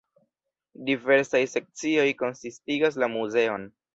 Diversaj sekcioj konsistigas la muzeon.